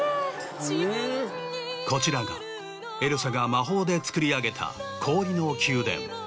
こちらがエルサが魔法でつくり上げた氷の宮殿。